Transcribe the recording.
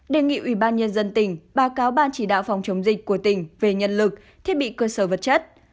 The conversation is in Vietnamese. đề nghị ủy ban nhân dân tỉnh báo cáo ban chỉ đạo phòng chống dịch của tỉnh về nhân lực thiết bị cơ sở vật chất